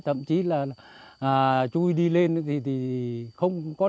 thậm chí là chú đi lên thì không có được